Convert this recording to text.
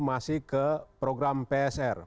masih ke program psr